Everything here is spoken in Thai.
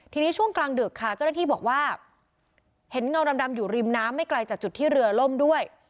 ทีนี้ช่วงกลางดึกค่ะเจ้าหน้าที่บอกว่าเห็นเงาดำอยู่ริมน้ำไม่ไกลจากจุดที่เรือล่มด้วย